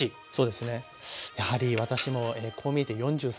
やはり私もこう見えて４３。